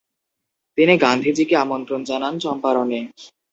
তিনি গান্ধিজী কে আমন্ত্রন জানান চম্পারণে।